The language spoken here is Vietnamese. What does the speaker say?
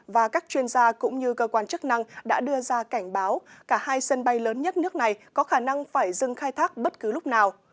và các chuyên gia cũng như cơ quan chức năng đã đưa ra cảnh báo cả hai sân bay lớn nhất nước này có khả năng phải dừng khai thác bất cứ lúc nào